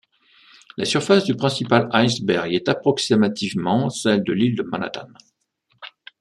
La surface du principal iceberg est approximativement celle de l'île de Manhattan.